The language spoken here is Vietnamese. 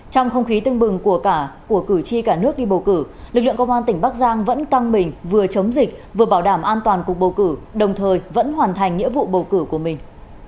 trong không khí tưng bừng của cả của cử tri cả nước đi bầu cử lực lượng công an tỉnh bắc giang vẫn căng mình vừa chống dịch vừa bảo đảm an toàn cuộc bầu cử đồng thời vẫn hoàn thành nghĩa vụ bầu cử của mình